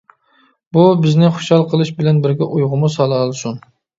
بۇ بىزنى خۇشال قىلىش بىلەن بىرگە ئويغىمۇ سالالىسۇن.